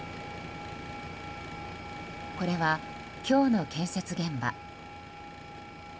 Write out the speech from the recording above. これは、今日の建設現場。